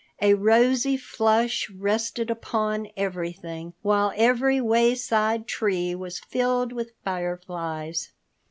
A rosy flush rested upon everything, while every wayside tree was filled with fireflies.